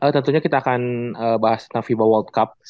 tentunya kita akan bahas tentang fiba world cup